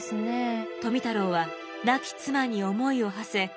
富太郎は亡き妻に思いをはせ